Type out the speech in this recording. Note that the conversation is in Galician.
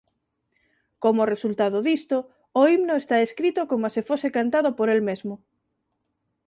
Como resultado disto o himno está escrito como se fose cantado por el mesmo.